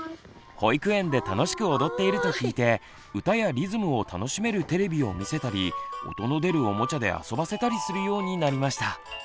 保育園で楽しく踊っていると聞いて歌やリズムを楽しめるテレビを見せたり音の出るおもちゃで遊ばせたりするようになりました。